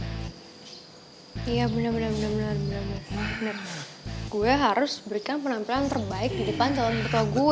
iya bener bener gue harus berikan penampilan terbaik di depan calon mertua gue